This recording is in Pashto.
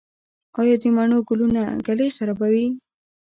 آیا د مڼو ګلونه ږلۍ خرابوي؟